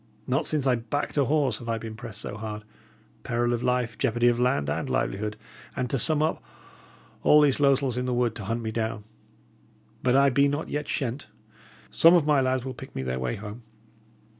Not since I backed a horse have I been pressed so hard; peril of life, jeopardy of land and livelihood, and to sum up, all these losels in the wood to hunt me down. But I be not yet shent. Some of my lads will pick me their way home.